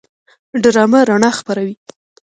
ډرامه رڼا خپروي